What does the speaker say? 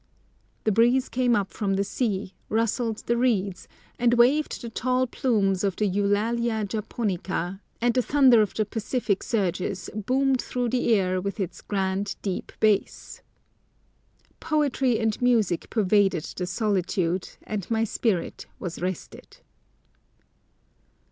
The breeze came up from the sea, rustled the reeds, and waved the tall plumes of the Eulalia japonica, and the thunder of the Pacific surges boomed through the air with its grand, deep bass. Poetry and music pervaded the solitude, and my spirit was rested.